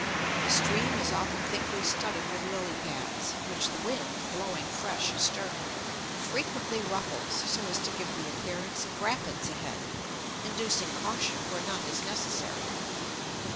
The stream is often thickly studded with lily pads, which the wind, blowing fresh astern, frequently ruffles so as to give the appearance of rapids ahead, inducing caution where none is necessary.